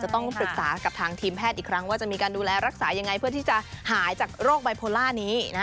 เราต้องปรึกษากับทางทีมแพทย์อีกครั้งว่าจะมีรักษาที่จะหายจากโรคไบโพล่านี้